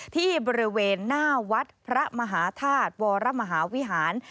ที่บริเวณหน้าวัดพระมหาธาตุวรมหาวิหาร